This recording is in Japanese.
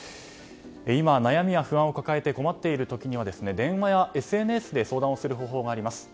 悩みや不安を抱えて困っている時には相談をする方法があります。